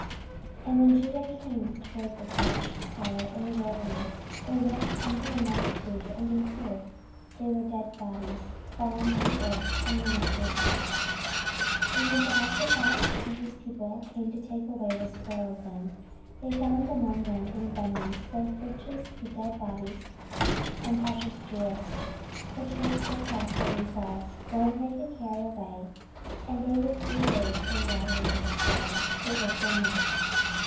14:020:024 And when Judah came toward the watch tower in the wilderness, they looked unto the multitude, and, behold, they were dead bodies fallen to the earth, and none escaped. 14:020:025 And when Jehoshaphat and his people came to take away the spoil of them, they found among them in abundance both riches with the dead bodies, and precious jewels, which they stripped off for themselves, more than they could carry away: and they were three days in gathering of the spoil, it was so much.